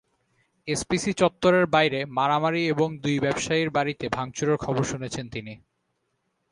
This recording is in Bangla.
এসপিসি চত্বরের বাইরে মারামারি এবং দুই ব্যবসায়ীর বাড়িতে ভাঙচুরের খবর শুনেছেন তিনি।